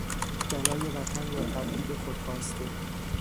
جلای وطن یا تبعید خود خواسته